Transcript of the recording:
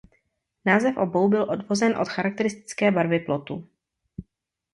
Název obou byl odvozen od charakteristické barvy plotu.